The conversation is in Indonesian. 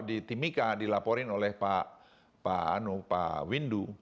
di timika dilaporin oleh pak windu